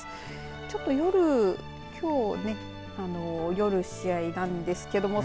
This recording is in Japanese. ちょっと夜、きょうね夜試合なんですけど。